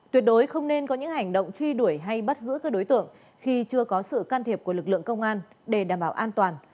tuyệt đối không nên có những hành động truy đuổi hay bắt giữ các đối tượng khi chưa có sự can thiệp của lực lượng công an để đảm bảo an toàn